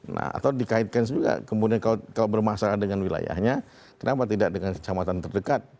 nah atau dikaitkan juga kemudian kalau bermasalah dengan wilayahnya kenapa tidak dengan kecamatan terdekat